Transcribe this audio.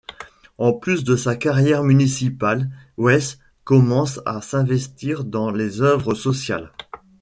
En plus de sa carrière musicale, Wes commence à s'investir dans les œuvres sociales.